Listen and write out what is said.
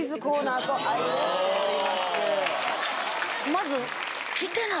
まず。